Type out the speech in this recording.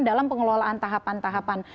dalam pengelolaan tahapan tahapan